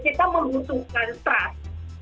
kita membutuhkan trans